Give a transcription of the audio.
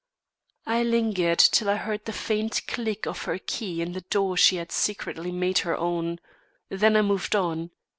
I lingered till I heard the faint click of her key in the door she had secretly made her own; then I moved on.